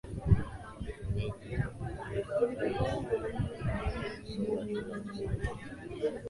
mwenyeji wa Mnacho katika Wilaya ya Ruangwa aliposoma shule ya msingi kati ya mwaka